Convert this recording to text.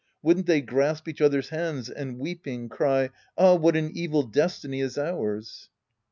Wouldn't they grasp each other's hands and, weeping, cry, " Ah, what an evil destiny is ours